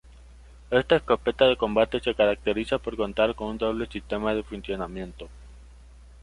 Esta escopeta de combate se caracteriza por contar con un doble sistema de funcionamiento.